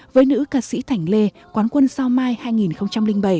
với nữ ca sĩ thành lê quán quân sao mai hai nghìn bảy